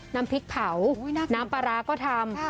น้ำพริกเผาน้ำปลาร้าก็ทำ